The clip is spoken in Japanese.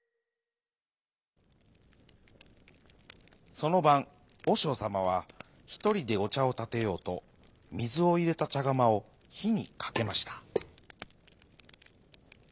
そのばんおしょうさまはひとりでおちゃをたてようとみずをいれたちゃがまをひにかけました。